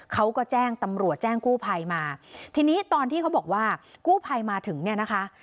เขาก็แจ้งตำรวจแจ้งกู้ภัยมาทีนี้ตอนที่เขาบอกว่ากู้ภัยมาถึงเนี่ยนะคะ